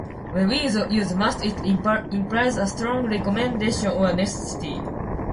When we use "must," it implies a strong recommendation or necessity.